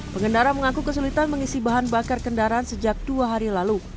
pengendara mengaku kesulitan mengisi bahan bakar kendaraan sejak dua hari lalu